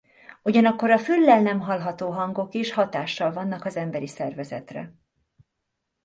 Ugyanakkor a füllel nem hallható hangok is hatással vannak az emberi szervezetre.